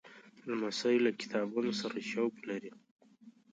لمسی له کتابونو سره شوق لري.